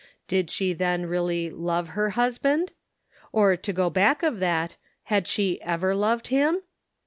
Did she then really love her husband? Or to go back of that, had she ever loved him